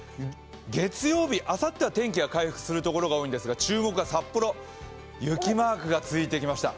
月曜日、あさっては天気が回復する所が多いんですが注目が札幌、雪マークがついてきました。